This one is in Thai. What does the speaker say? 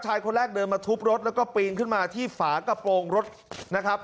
ชายคนแรกเดินมาทุบรถแล้วก็ปีนขึ้นมาที่ฝากระโปรงรถนะครับ